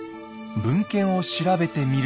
文献を調べてみると。